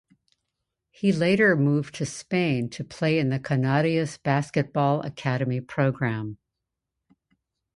He later moved to Spain to play in the Canarias Basketball Academy program.